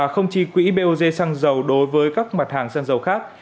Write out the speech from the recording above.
kỳ bog xăng dầu đối với các mặt hàng xăng dầu khác